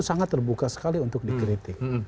sangat terbuka sekali untuk dikritik